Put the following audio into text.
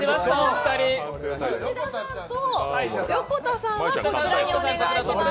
石田さんと横田さんはこちらにお願いします。